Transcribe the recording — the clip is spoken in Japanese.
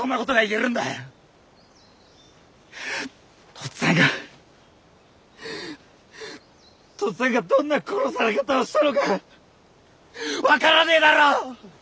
父っつぁんが父っつぁんがどんな殺され方をしたのか分からねえだろ！